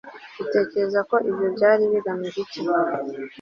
Utekereza ko ibyo byari bigamije iki